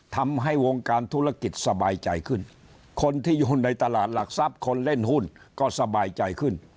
ทำให้วงการธุรกิจสบายใจขึ้นคนที่อยู่ในตลาดหลักทรัพย์คนเล่นหุ้นก็สบายใจขึ้น